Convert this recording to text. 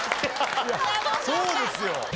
そうですよ。